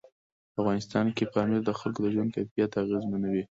په افغانستان کې پامیر د خلکو د ژوند کیفیت اغېزمنوي.